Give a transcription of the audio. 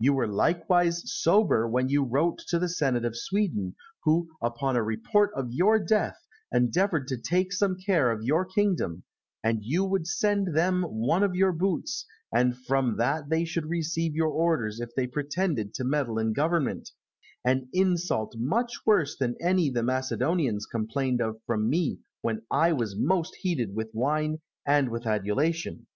You were likewise sober when you wrote to the Senate of Sweden, who, upon a report of your death, endeavoured to take some care of your kingdom, that you would send them one of your boots, and from that they should receive their orders if they pretended to meddle in government an insult much worse than any the Macedonians complained of from me when I was most heated with wine and with adulation.